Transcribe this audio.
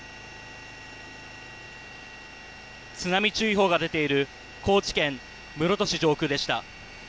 津波注意報が出ている高知県室戸市上空でした。